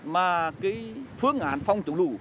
mà cái phương án phong chủ lụ